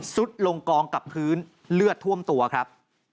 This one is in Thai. สุดลงกองกับพื้นเลือดท่วมตัวครับ